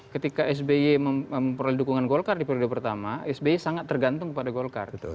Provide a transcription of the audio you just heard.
ketika sby memperoleh dukungan golkar di periode pertama sby sangat tergantung kepada golkar